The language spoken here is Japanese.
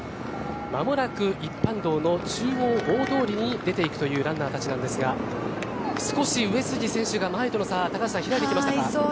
間もなく一般道の中央大通に出ていくというランナーたちなんですが少し上杉選手、前との差高橋さん開いてきましたか。